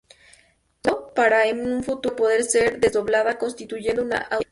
Su trazado es válido para en un futuro poder ser desdoblada constituyendo una autovía.